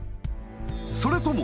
それとも